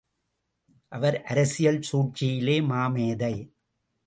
அவர் அரசியல் சூழ்ச்சியில் மாமேதை.